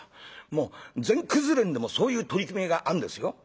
もう全くず連でもそういう取り決めがあんですよ」。